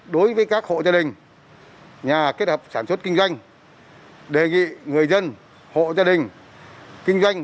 đối với các hộ gia đình nhà kết hợp sản xuất kinh doanh đề nghị người dân hộ gia đình kinh doanh